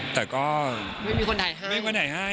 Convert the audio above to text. แต่ก็ไม่มีคนถ่ายให้